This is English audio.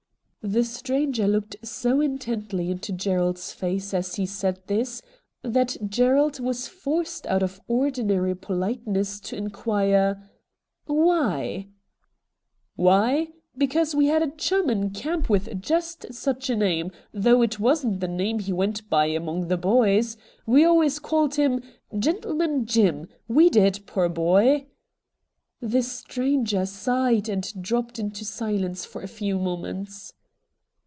The stranger looked so intently into Gerald's face as he said this that Gerald was forced out of ordinary politeness to inquire, ' Why ?'• Why ! Because we had a chum in camp with just such a name, though it wasn't the name he went by among the boys. We al ways called him " Gentleman Jim " we did, poor boy !' The stranger sighed and dropped into si lence for a few moments.